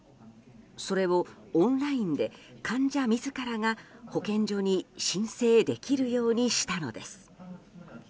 それを、オンラインで患者自らが保健所に申請できるようにしたのです。